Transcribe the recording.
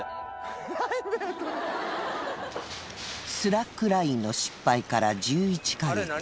スラックラインの失敗から１１か月。